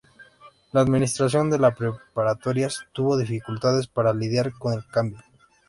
La administración de la preparatorias tuvo dificultades para lidiar con el cambio.